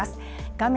画面